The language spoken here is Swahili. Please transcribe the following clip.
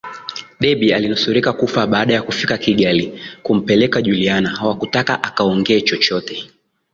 Debby alinusurika kufa baada ya kufika Kigali kumpeleka Juliana hawakutaka akaongee chochote